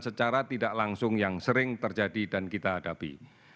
secara tidak langsung yang sering terjadi dan kita hadapi